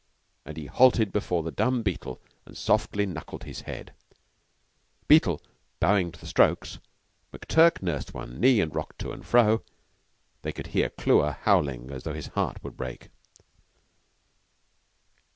Then he halted before the dumb Beetle and softly knuckled his head, Beetle bowing to the strokes. McTurk nursed one knee and rocked to and fro. They could hear Clewer howling as though his heart would break.